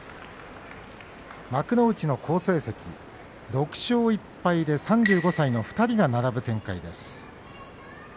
幕内の好成績６勝１敗で３５歳の２人が並ぶ展開です。